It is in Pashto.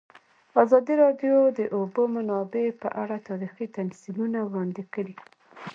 ازادي راډیو د د اوبو منابع په اړه تاریخي تمثیلونه وړاندې کړي.